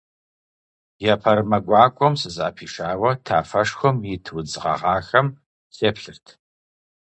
Епэрымэ гуакӏуэм сызыӏэпишауэ тафэшхуэм ит удз гъэгъахэм сеплъырт.